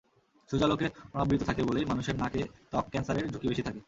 সূর্যালোকে অনাবৃত থাকে বলেই মানুষের নাকে ত্বক ক্যানসারের ঝুঁকি বেশি থাকে।